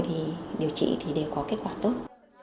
thì điều trị thì đều có kết quả tốt